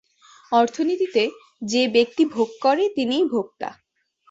অর্থনীতিতে যে ব্যক্তি ভোগ করে তিনিই ভোক্তা।